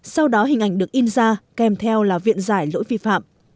sau đó hình ảnh được in ra kèm theo là viện giải lỗi vi phạm